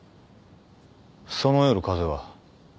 その夜風は？